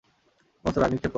সমস্ত রাগ নিক্ষেপ কর।